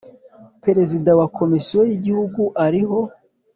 Perezida wa Komisiyo y ‘Igihugu ariho.